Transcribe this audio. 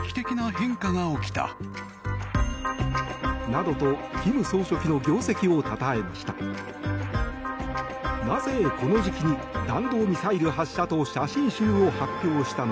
などと金総書記の業績をたたえました。